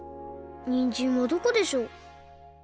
にんじんはどこでしょう